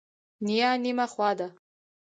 نیا نیمه خوا ده.